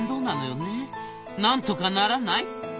なんとかならない？」。